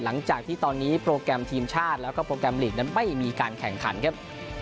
หลังจากที่ตอนนี้โปรแกรมทีมชาติแล้วก็โปรแกรมลีกนั้นไม่มีการแข่งขันครับ